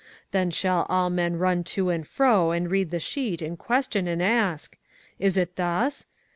Then shall all men run to and fro and read the sheet and question and ask, 'Is it thus?'